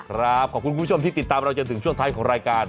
ขอบคุณผู้ชมที่ติดตามเราจนถึงช่วงท้ายของรายการ